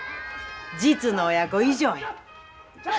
実の親子以上や。